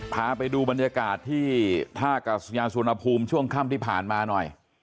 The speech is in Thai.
พาไปดูบรรยากาศที่ท่ากาศยาสุนภูมิช่วงค่ำที่ผ่านมาหน่อย